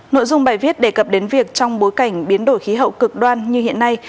nội dung bài viết đề cập đến việc trong bối cảnh biến đổi khí hậu cực đoan như hiện nay